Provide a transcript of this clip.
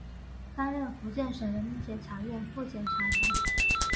担任福建省人民检察院副检察长。